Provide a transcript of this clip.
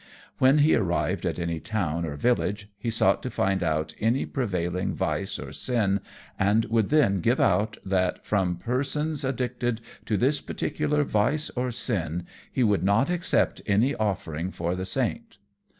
When he arrived at any town or village he sought to find out any prevailing vice or sin, and would then give out that, from persons addicted to this particular vice or sin, he could not accept any offering for the Saint.